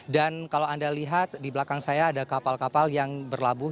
dan kalau anda lihat di belakang saya ada kapal kapal yang berlabuh